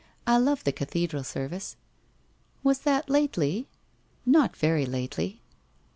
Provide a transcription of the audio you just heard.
I love the cathedral service.' 'Was that lately?' ' Not very lately.'